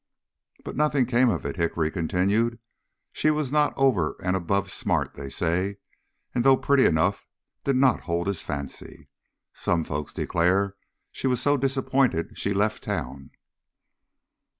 "But nothing came of it," Hickory continued. "She was not over and above smart they say, and though pretty enough, did not hold his fancy. Some folks declare she was so disappointed she left town."